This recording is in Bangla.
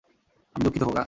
আমি দুঃখিত, খোকা।